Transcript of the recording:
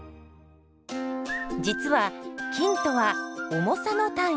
実は「斤」とは「重さ」の単位。